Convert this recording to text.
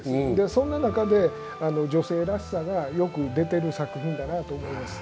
そんな中で、女性らしさがよく出ている作品だなと思います。